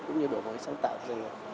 cũng như đổi mới sáng tạo doanh nghiệp